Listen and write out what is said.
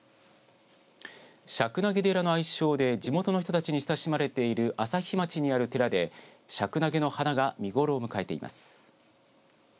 石楠花寺の愛称で地元の人たちに親しまれている朝日町にある寺でシャクナゲの花が見頃を迎えています。